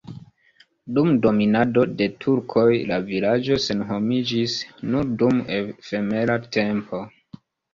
Dum dominado de turkoj la vilaĝo senhomiĝis nur dum efemera tempo.